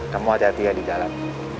kamu hati hati ya di jalan